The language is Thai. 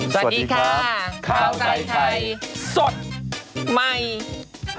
มีคำสั่งที่จะต้องทำให้ว่า